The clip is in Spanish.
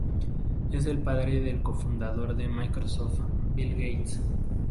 Es el padre del cofundador de Microsoft, Bill Gates.